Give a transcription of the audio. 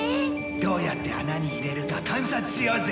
どうやって穴に入れるか観察しようぜ。